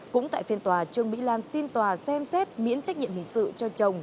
cũng tại phiên tòa trương mỹ lan xin tòa xem xét miễn trách nhiệm hình sự cho chồng